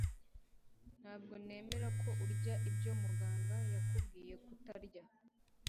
Ntabwo nemera ko urya ibyo muganga yakubwiye kutarya